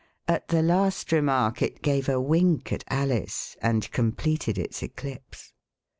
At the last remark it gave a wink at Alice and completed its eclipse.